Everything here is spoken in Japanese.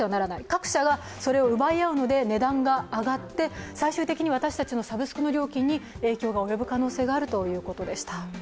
各社がそれを奪い合うので値段が上がって最終的に私たちのサブスクの料金に影響が及ぶ可能性があるということでした。